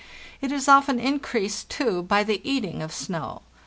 It is often increased, too, by the eating of snow.